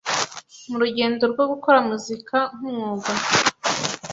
murugendo rwo gukora muzika nk’umwuga